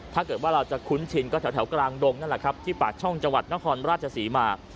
ถ้าเกิดว่าเราจะคุ้นชินก็แถวกลางดงนั่นแหละครับที่ปากช่องจังหวัดนครราชศรีมา